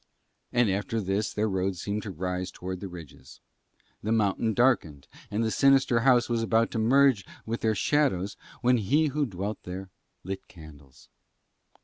And after this their road began to rise toward the ridges. The mountains darkened and the sinister house was about to merge with their shadows, when he who dwelt there lit candles.